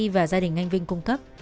và gia đình anh vinh cung cấp